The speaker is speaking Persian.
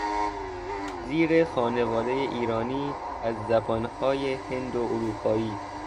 زیر خانواده ایرانی از زبانهای هند و اروپایی